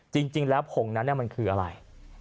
จริงแล้วผงนั้นมันคืออะไร